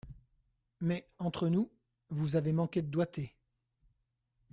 Mais, entre nous, vous avez manqué de doigté.